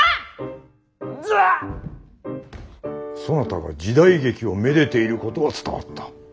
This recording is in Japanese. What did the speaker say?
そなたが時代劇をめでていることは伝わった。